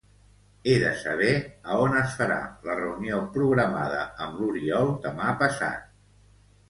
He de saber a on es farà la reunió programada amb l'Oriol demà passat.